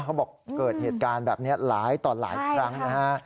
เขาบอกเกิดเหตุการณ์แบบนี้หลายต่อหลายครั้งนะฮะ